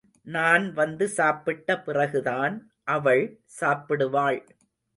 நான் வந்து சாப்பிட்ட பிறகுதான் அவள் சாப்பிடுவாள்.